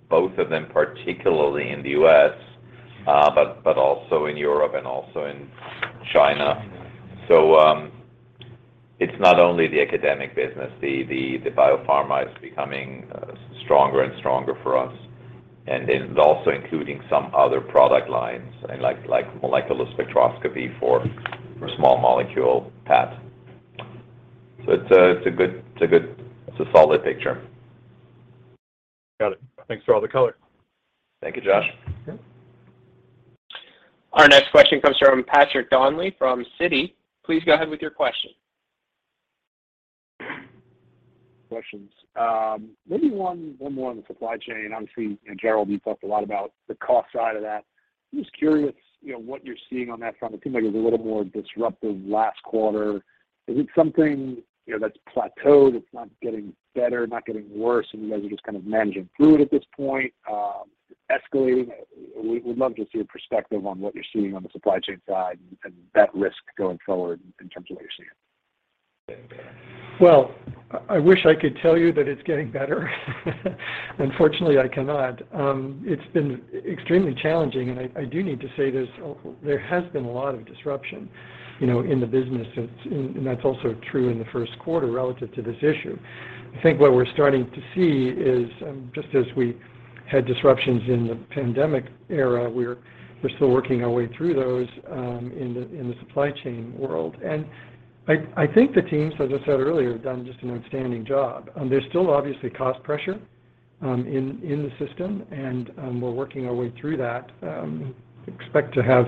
Both of them, particularly in the U.S., but also in Europe and also in China. China. It's not only the academic business, the biopharma is becoming stronger and stronger for us, and it's also including some other product lines, like molecular spectroscopy for small molecule PAT. It's a good, solid picture. Got it. Thanks for all the color. Thank you, Josh. Okay. Our next question comes from Patrick Donnelly from Citi. Please go ahead with your question. Questions. Maybe one more on the supply chain. Obviously, and Gerald, you talked a lot about the cost side of that. I'm just curious, you know, what you're seeing on that front. It seems like it was a little more disruptive last quarter. Is it something, you know, that's plateaued, it's not getting better, not getting worse, and you guys are just kind of managing through it at this point, escalating? We'd love to see your perspective on what you're seeing on the supply chain side and that risk going forward in terms of what you're seeing. Well, I wish I could tell you that it's getting better. Unfortunately, I cannot. It's been extremely challenging, and I do need to say there has been a lot of disruption, you know, in the business, and that's also true in the first quarter relative to this issue. I think what we're starting to see is just as we had disruptions in the pandemic era, we're still working our way through those in the supply chain world. I think the teams, as I said earlier, have done just an outstanding job. There's still obviously cost pressure in the system, and we're working our way through that. Expect to have,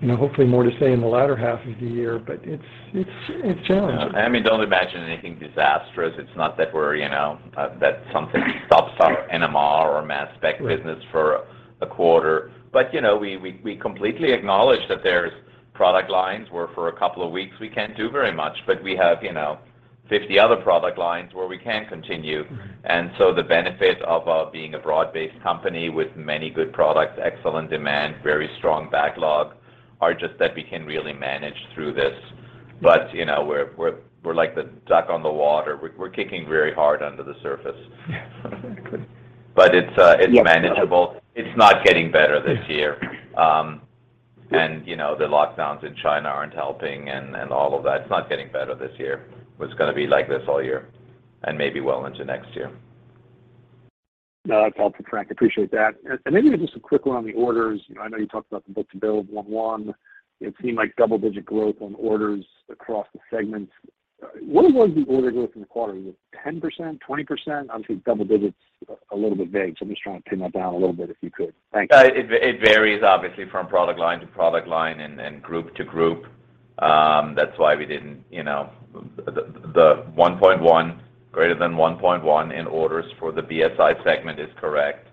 you know, hopefully more to say in the latter half of the year, but it's challenging. I mean, don't imagine anything disastrous. It's not that we're, you know, that something stops our NMR or mass spec business for a quarter. You know, we completely acknowledge that there's product lines where for a couple of weeks we can't do very much. We have, you know, 50 other product lines where we can continue. The benefit of being a broad-based company with many good products, excellent demand, very strong backlog, are just that we can really manage through this. You know, we're like the duck on the water. We're kicking very hard under the surface. Yes. It's manageable. It's not getting better this year. You know, the lockdowns in China aren't helping and all of that. It's not getting better this year. It's gonna be like this all year, and maybe well into next year. No, that's helpful, Frank. Appreciate that. Maybe just a quick one on the orders. You know, I know you talked about the book-to-bill of 1:1. It seemed like double-digit growth on orders across the segments. What was the order growth in the quarter? Was it 10%, 20%? Obviously, double digits a little bit vague, so I'm just trying to pin that down a little bit if you could. Thank you. It varies obviously from product line to product line and group to group. That's why we didn't, you know. The 1.1, greater than 1.1 in orders for the BSI segment is correct,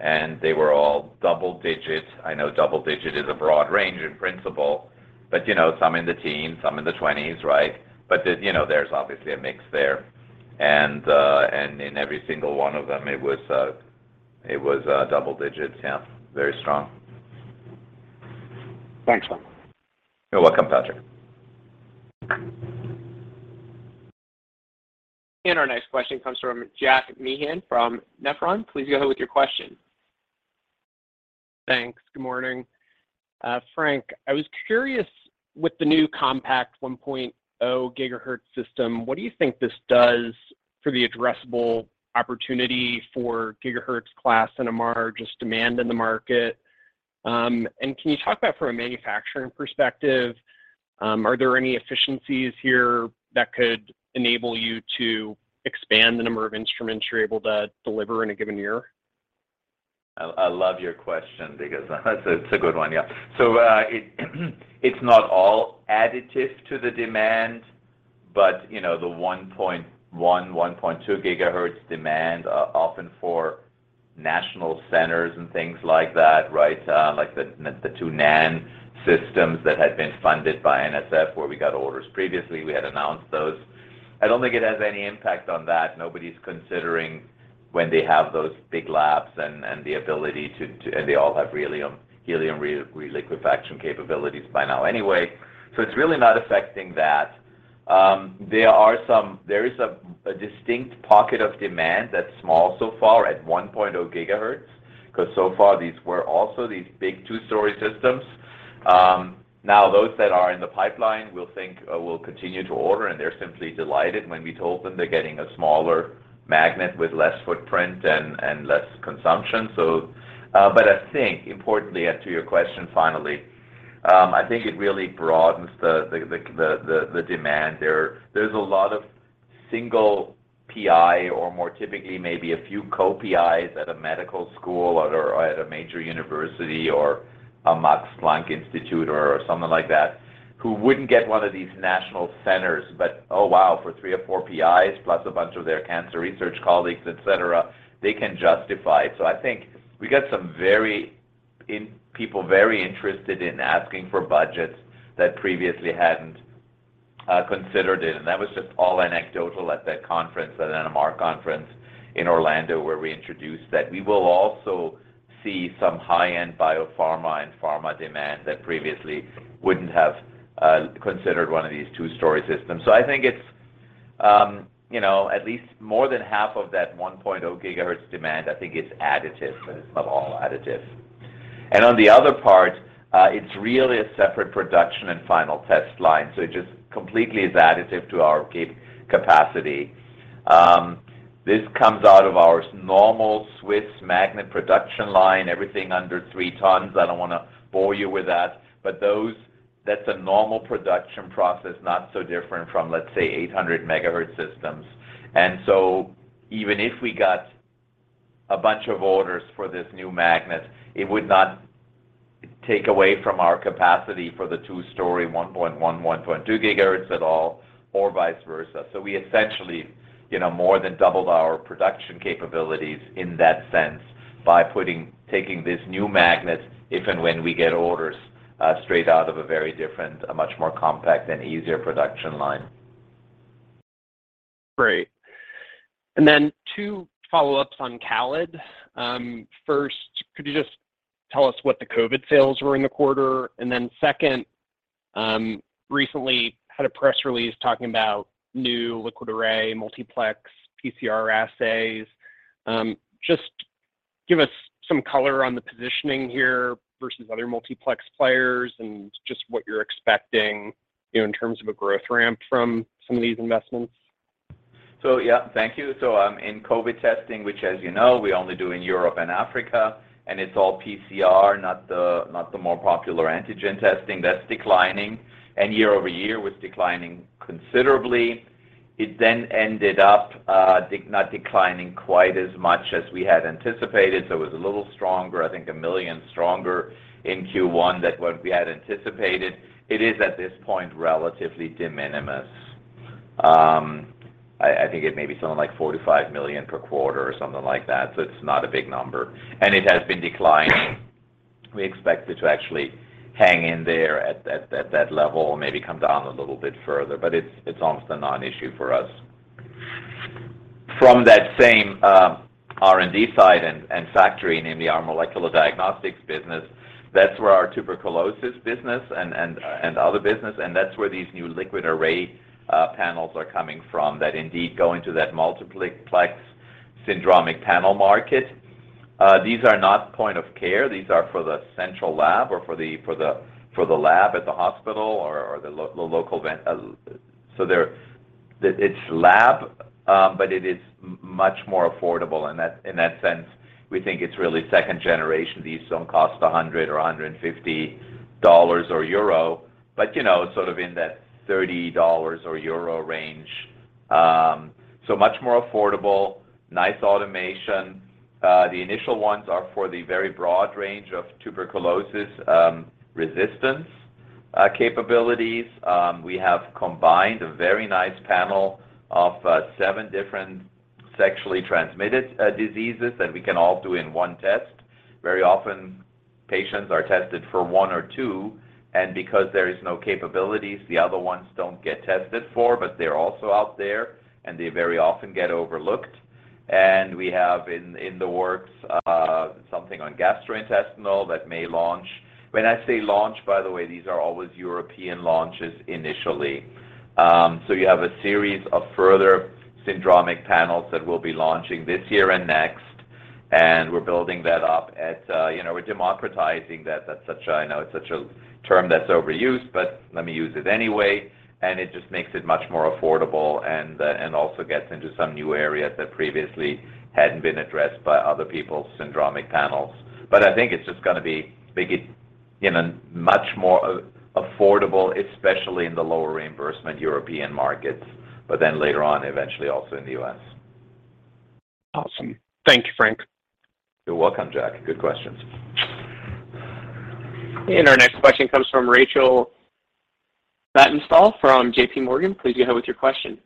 and they were all double digits. I know double digit is a broad range in principle, but, you know, some in the teens, some in the twenties, right? But you know, there's obviously a mix there. In every single one of them, it was double digits. Yeah. Very strong. Thanks. You're welcome, Patrick. Our next question comes from Jack Meehan from Nephron. Please go ahead with your question. Thanks. Good morning. Frank, I was curious, with the new compact 1.0 gigahertz system, what do you think this does for the addressable opportunity for gigahertz class NMR, just demand in the market? Can you talk about from a manufacturing perspective, are there any efficiencies here that could enable you to expand the number of instruments you're able to deliver in a given year? I love your question because it's a good one. Yeah. It's not all additive to the demand, but you know, the 1.1.2 gigahertz demand often for national centers and things like that, right, like the two NMR systems that had been funded by NSF, where we got orders previously, we had announced those. I don't think it has any impact on that. Nobody's considering when they have those big labs and the ability to and they all have helium reliquefaction capabilities by now anyway. It's really not affecting that. There is a distinct pocket of demand that's small so far at 1.0 gigahertz, 'cause so far these were also these big two-story systems. Now those that are in the pipeline will continue to order, and they're simply delighted when we told them they're getting a smaller magnet with less footprint and less consumption. I think importantly, and to your question finally, I think it really broadens the demand there. There's a lot of single PI or more typically maybe a few co-PIs at a medical school or at a major university or a Max Planck Institute or something like that, who wouldn't get one of these national centers. Oh wow, for three or four PIs, plus a bunch of their cancer research colleagues, et cetera, they can justify it. I think we got some very interested people in asking for budgets that previously hadn't considered it. That was just all anecdotal at that conference, at an NMR conference in Orlando, where we introduced that. We will also see some high-end biopharma and pharma demand that previously wouldn't have considered one of these two-story systems. I think it's, you know, at least more than half of that 1.0 gigahertz demand, I think it's additive, but it's not all additive. On the other part, it's really a separate production and final test line, so it just completely is additive to our gate capacity. This comes out of our normal Swiss magnet production line, everything under 3 tons. I don't wanna bore you with that. That's a normal production process, not so different from, let's say, 800 megahertz systems. Even if we got a bunch of orders for this new magnet, it would not take away from our capacity for the two-story 1.1.2 gigahertz at all, or vice versa. We essentially, you know, more than doubled our production capabilities in that sense by taking this new magnet, if and when we get orders, straight out of a very different, a much more compact and easier production line. Great. Then two follow-ups on CALID. First, could you just tell us what the COVID sales were in the quarter? Second, recently had a press release talking about new liquid array multiplex PCR assays. Just give us some color on the positioning here versus other multiplex players and just what you're expecting, you know, in terms of a growth ramp from some of these investments. Yeah. Thank you. In COVID testing, which as you know, we only do in Europe and Africa, and it's all PCR, not the more popular antigen testing, that's declining. Year-over-year, it was declining considerably. It then ended up not declining quite as much as we had anticipated, so it was a little stronger, I think $1 million stronger in Q1 than what we had anticipated. It is, at this point, relatively de minimis. I think it may be something like $45 million per quarter or something like that, so it's not a big number. It has been declining. We expect it to actually hang in there at that level, maybe come down a little bit further, but it's almost a non-issue for us. From that same R&D side and factory, namely our molecular diagnostics business, that's where our tuberculosis business and other business, and that's where these new liquid array panels are coming from that indeed go into that multiplex syndromic panel market. These are not point of care. These are for the central lab or for the lab at the hospital. It's lab, but it is much more affordable in that sense. We think it's really second generation. These don't cost $100 or $150 or euro, but, you know, sort of in that $30 or euro range. So much more affordable, nice automation. The initial ones are for the very broad range of tuberculosis resistance capabilities. We have combined a very nice panel of seven different sexually transmitted diseases that we can all do in one test. Very often, patients are tested for one or two, and because there is no capabilities, the other ones don't get tested for, but they're also out there, and they very often get overlooked. We have in the works something on gastrointestinal that may launch. When I say launch, by the way, these are always European launches initially. So you have a series of further syndromic panels that we'll be launching this year and next, and we're building that up at you know. We're democratizing that. That's such a term that's overused, but let me use it anyway. It just makes it much more affordable and also gets into some new areas that previously hadn't been addressed by other people's syndromic panels. I think it's just gonna be big, you know, much more affordable, especially in the lower reimbursement European markets, but then later on, eventually also in the US. Awesome. Thank you, Frank. You're welcome, Jack. Good questions. Our next question comes from Rachel Vatnsdal from JPMorgan. Please go ahead with your question.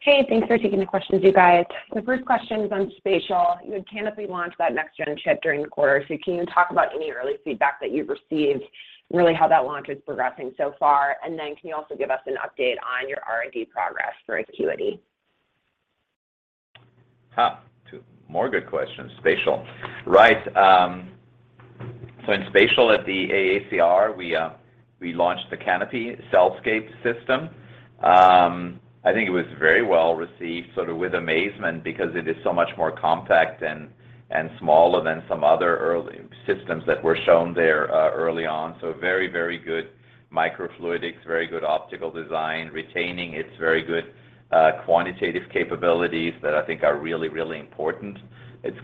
Hey, thanks for taking the questions, you guys. The first question is on spatial. You had Canopy launch that next-gen chip during the quarter. Can you talk about any early feedback that you've received and really how that launch is progressing so far? Can you also give us an update on your R&D progress for Acuity? Two more good questions. Spatial. Right. In spatial at the AACR, we launched the Canopy CellScape system. I think it was very well received, sort of with amazement because it is so much more compact and smaller than some other early systems that were shown there, early on. Very, very good microfluidics, very good optical design, retaining its very good quantitative capabilities that I think are really, really important. It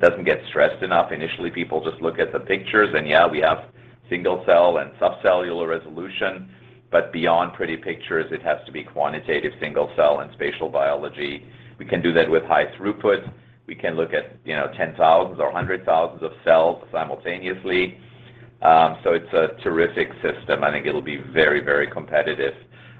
doesn't get stressed enough. Initially, people just look at the pictures, and yeah, we have single-cell and subcellular resolution. Beyond pretty pictures, it has to be quantitative single cell and spatial biology. We can do that with high throughput. We can look at, you know, 10,000 or 100,000 of cells simultaneously. It's a terrific system. I think it'll be very, very competitive.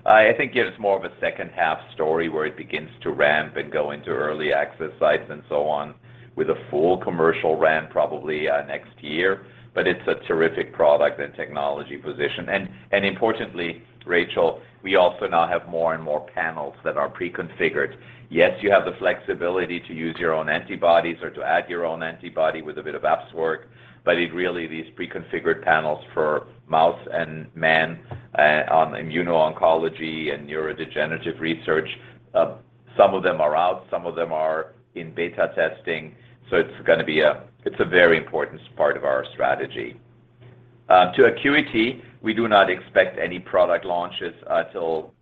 I think it's more of a second half story where it begins to ramp and go into early access sites and so on with a full commercial ramp probably next year. It's a terrific product and technology position. Importantly, Rachel, we also now have more and more panels that are pre-configured. Yes, you have the flexibility to use your own antibodies or to add your own antibody with a bit of apps work, but it really these pre-configured panels for mouse and man on immuno-oncology and neurodegenerative research. Some of them are out, some of them are in beta testing, so it's gonna be a very important part of our strategy. To Acuity, we do not expect any product launches till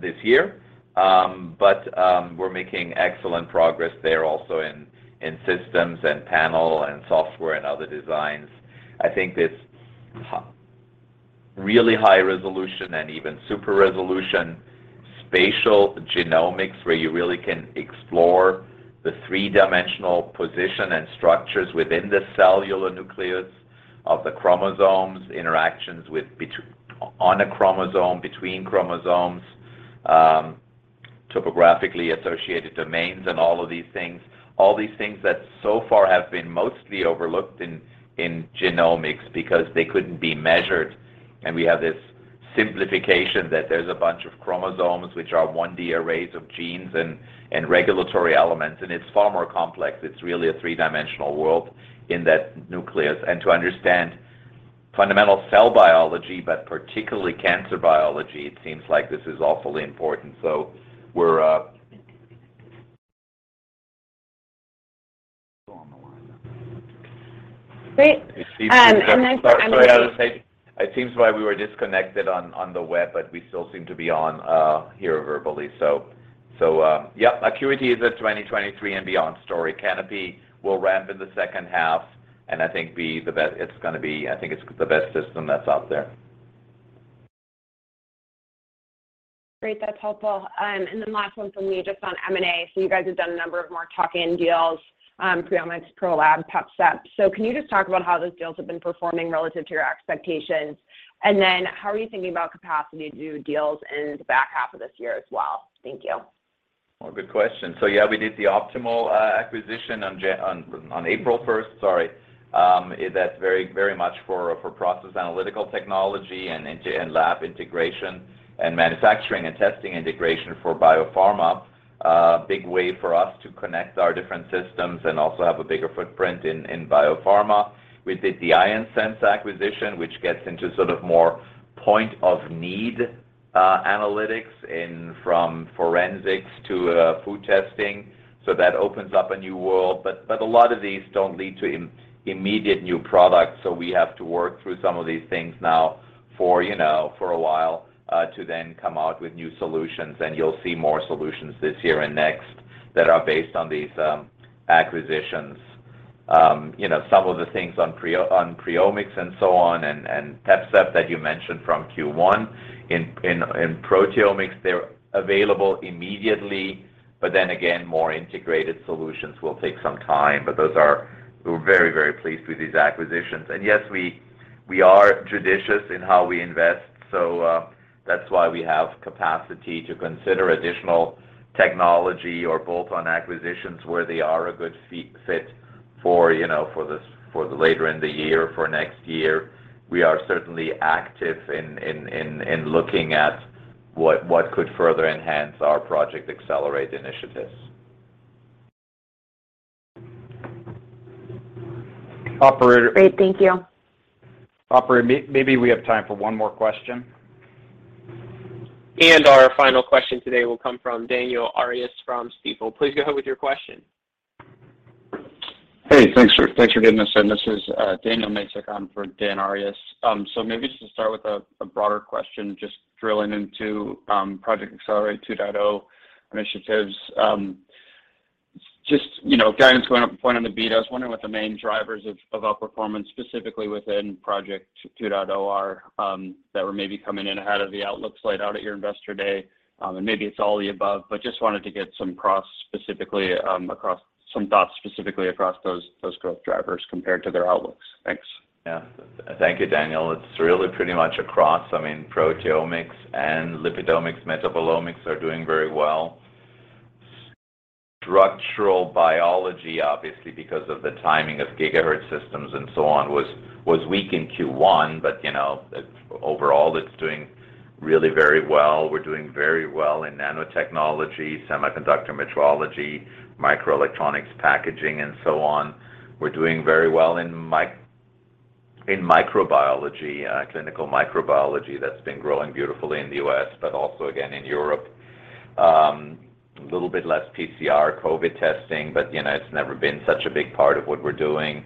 this year. We're making excellent progress there also in systems and panel and software and other designs. I think really high resolution and even super resolution spatial genomics, where you really can explore the three-dimensional position and structures within the cellular nucleus of the chromosomes, interactions on a chromosome, between chromosomes, topologically associating domains, and all of these things. All these things that so far have been mostly overlooked in genomics because they couldn't be measured, and we have this simplification that there's a bunch of chromosomes which are 1D arrays of genes and regulatory elements, and it's far more complex. It's really a three-dimensional world in that nucleus. To understand fundamental cell biology, particularly cancer biology, it seems like this is awfully important. We're Great. Sorry, I was gonna say it seems we were disconnected on the web, but we still seem to be on here verbally. Yep, Acuity is a 2023 and beyond story. Canopy will ramp in the second half, and it's gonna be, I think it's the best system that's out there. Great. That's helpful. Last one from me, just on M&A. You guys have done a number of more tuck-in deals, PreOmics, ProLab, PepSep. Can you just talk about how those deals have been performing relative to your expectations? How are you thinking about capacity to do deals in the back half of this year as well? Thank you. Well, good question. Yeah, we did the Optimal acquisition on April first, sorry. That's very much for process analytical technology and lab integration and manufacturing and testing integration for biopharma. Big way for us to connect our different systems and also have a bigger footprint in biopharma. We did the IonSense acquisition, which gets into sort of more point of need analytics from forensics to food testing. That opens up a new world. A lot of these don't lead to immediate new products, so we have to work through some of these things now for you know for a while to then come out with new solutions, and you'll see more solutions this year and next that are based on these acquisitions. You know, some of the things on PreOmics and so on and PepSep that you mentioned from Q1 in proteomics, they're available immediately. Then again, more integrated solutions will take some time. Those are. We're very, very pleased with these acquisitions. Yes, we are judicious in how we invest, so that's why we have capacity to consider additional technology or bolt-on acquisitions where they are a good fit for, you know, for this, for the later in the year, for next year. We are certainly active in looking at what could further enhance our Project Accelerate initiatives. Great. Thank you. Operator, maybe we have time for one more question. Our final question today will come from Daniel Arias from Stifel. Please go ahead with your question. Hey, thanks for getting this. This is Daniel Arias on for Dan Arias. Maybe just to start with a broader question, just drilling into Project Accelerate 2.0 initiatives. You know, guidance going up point on the beat. I was wondering what the main drivers of outperformance, specifically within Project 2.0 are that were maybe coming in ahead of the outlook laid out at your Investor Day. Maybe it's all the above, but just wanted to get some thoughts specifically across those growth drivers compared to their outlooks. Thanks. Yeah. Thank you, Daniel. It's really pretty much across, I mean, proteomics and lipidomics, metabolomics are doing very well. Structural biology, obviously, because of the timing of gigahertz systems and so on, was weak in Q1, but you know, overall it's doing really very well. We're doing very well in nanotechnology, semiconductor metrology, microelectronics packaging, and so on. We're doing very well in microbiology, clinical microbiology. That's been growing beautifully in the U.S., but also again in Europe. A little bit less PCR COVID testing, but you know, it's never been such a big part of what we're doing.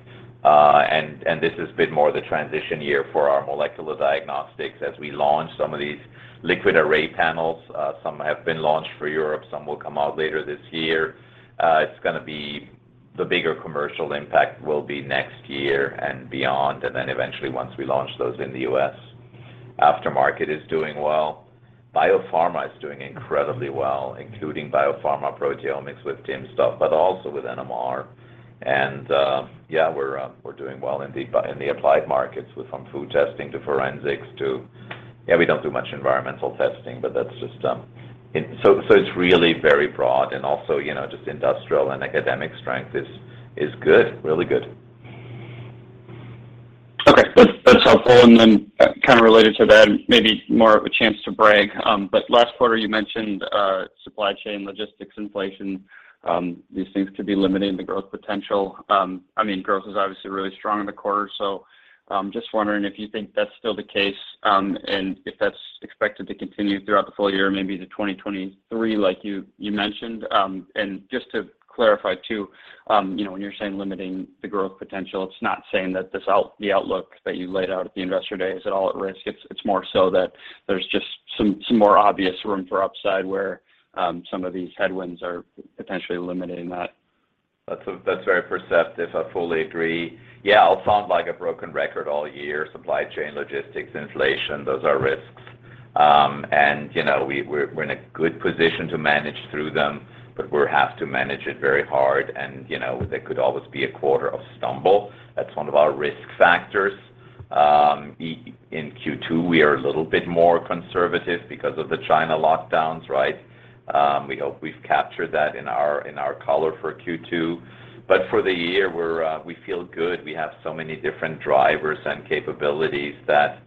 This has been more the transition year for our molecular diagnostics as we launch some of these liquid array panels. Some have been launched for Europe, some will come out later this year. It's gonna be the bigger commercial impact will be next year and beyond, and then eventually once we launch those in the U.S. Aftermarket is doing well. Biopharma is doing incredibly well, including biopharma proteomics with timsTOF stuff, but also with NMR. We're doing well in the applied markets, from food testing to forensics. We don't do much environmental testing, but that's just. It's really very broad and also, you know, just industrial and academic strength is good, really good. Okay. That's helpful. Kind of related to that, and maybe more of a chance to brag, but last quarter you mentioned supply chain logistics, inflation, these things could be limiting the growth potential. I mean, growth was obviously really strong in the quarter. Just wondering if you think that's still the case, and if that's expected to continue throughout the full year, maybe to 2023 like you mentioned. Just to clarify too, you know, when you're saying limiting the growth potential, it's not saying that the outlook that you laid out at the Investor Day is at all at risk. It's more so that there's just some more obvious room for upside where some of these headwinds are potentially limiting that. That's very perceptive. I fully agree. Yeah, I'll sound like a broken record all year. Supply chain logistics, inflation, those are risks. You know, we're in a good position to manage through them, but we'll have to manage it very hard and, you know, there could always be a quarter or stumble. That's one of our risk factors. In Q2, we are a little bit more conservative because of the China lockdowns, right? We hope we've captured that in our color for Q2. For the year, we feel good. We have so many different drivers and capabilities that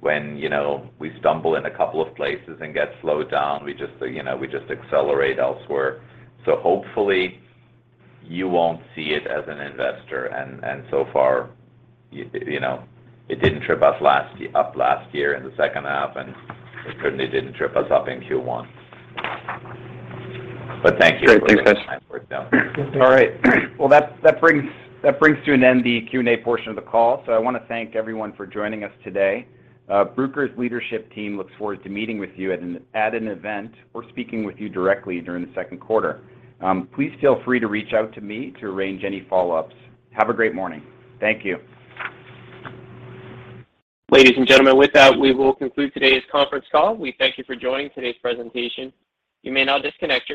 when, you know, we stumble in a couple of places and get slowed down, we just, you know, accelerate elsewhere. Hopefully you won't see it as an investor and so far, you know, it didn't trip us up last year in the second half, and it certainly didn't trip us up in Q one. But thank you. Great. Thanks. Time worked out. All right. Well, that brings to an end the Q&A portion of the call. I want to thank everyone for joining us today. Bruker's leadership team looks forward to meeting with you at an event or speaking with you directly during the second quarter. Please feel free to reach out to me to arrange any follow-ups. Have a great morning. Thank you. Ladies and gentlemen, with that, we will conclude today's conference call. We thank you for joining today's presentation. You may now disconnect your lines.